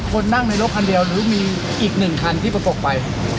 คนนั่งในรถคันเดียวหรือมีอีกหนึ่งคันที่ประกบไป